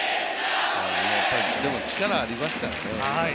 でも力、ありますからね。